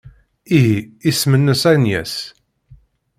Ihi, isem-nnes Agnes.